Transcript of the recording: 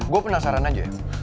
gue penasaran aja ya